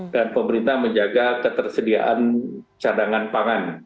dan pemerintah menjaga ketersediaan cadangan pangan